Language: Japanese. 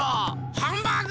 ハンバーグ！